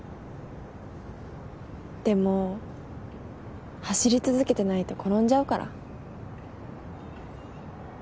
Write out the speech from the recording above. でも走り続けてないと転んじゃうから。